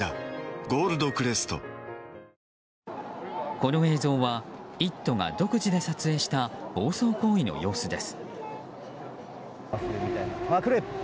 この映像は「イット！」が独自で撮影した暴走行為の様子です。